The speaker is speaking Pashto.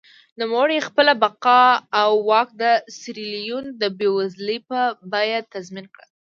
نوموړي خپله بقا او واک د سیریلیون د بېوزلۍ په بیه تضمین کړل.